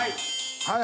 はい。